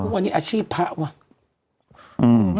พวกนี้อาชีพพระว่ะ